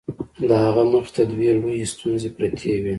د هغه مخې ته دوې لويې ستونزې پرتې وې.